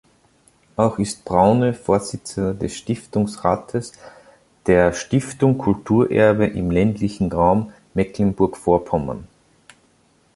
Auch ist Braune Vorsitzender des Stiftungsrates der "Stiftung Kulturerbe im ländlichen Raum Mecklenburg-Vorpommern".